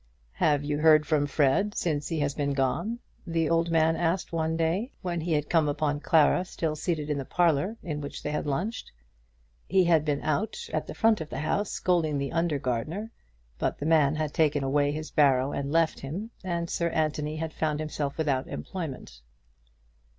"Have you heard from Fred since he has been gone?" the old man asked one day, when he had come upon Clara still seated in the parlour in which they had lunched. He had been out, at the front of the house, scolding the under gardener; but the man had taken away his barrow and left him, and Sir Anthony had found himself without employment.